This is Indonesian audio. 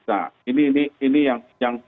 nah ini yang